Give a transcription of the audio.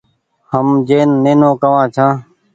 هم جين نينو ڪوآن ڇآن